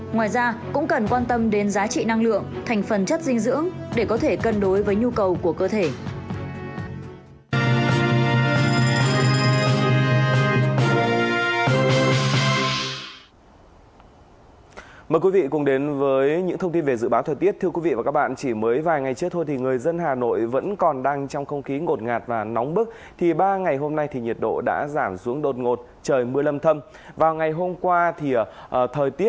ngoài ra cũng cần quan tâm đến giá trị năng lượng thành phần chất dinh dưỡng để có thể cân đối với nhu cầu của cơ thể